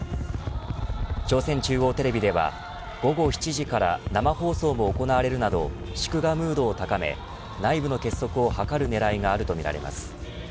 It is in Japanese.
朝鮮中央テレビでは午後７時から生放送も行われるなど祝賀ムードを高め内部の結束を図る狙いがあるとみられます。